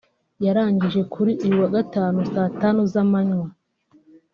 yarangije kuri uyu wa Gatanu saa tanu z’amanywa